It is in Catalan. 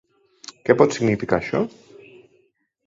Què pot significar això?